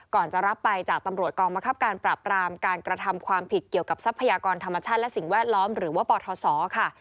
จะรับไปจากตำรวจกองมะครับการปราบรามการกระทำความผิดเกี่ยวกับทรัพยากรธรรมชาติและสิ่งแวดล้อมหรือว่าปทศค่ะ